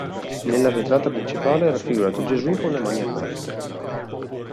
Nella vetrata principale è raffigurato Gesù con le mani aperte.